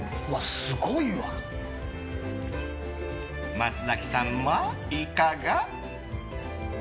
松崎さんもいかが？